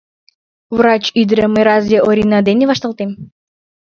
Врач ӱдырым мый разве Орина дене вашталтем?